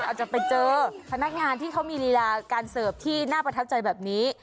อาจจะไปเจอพนักงานที่เขามีลีลาการเสิร์ฟที่น่าประทับใจแบบนี้